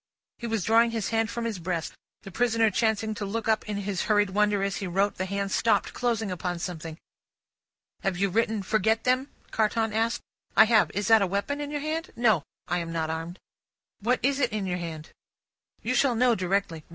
'" He was drawing his hand from his breast; the prisoner chancing to look up in his hurried wonder as he wrote, the hand stopped, closing upon something. "Have you written 'forget them'?" Carton asked. "I have. Is that a weapon in your hand?" "No; I am not armed." "What is it in your hand?" "You shall know directly.